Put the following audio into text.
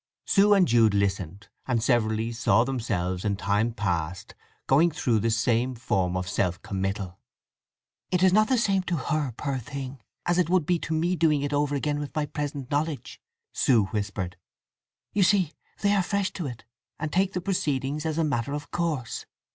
Sue and Jude listened, and severally saw themselves in time past going through the same form of self committal. "It is not the same to her, poor thing, as it would be to me doing it over again with my present knowledge," Sue whispered. "You see, they are fresh to it, and take the proceedings as a matter of course.